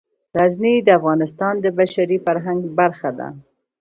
غزني د افغانستان د بشري فرهنګ برخه ده.